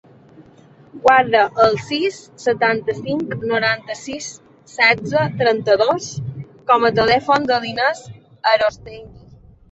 Guarda el sis, setanta-cinc, noranta-sis, setze, trenta-dos com a telèfon de l'Inès Arostegui.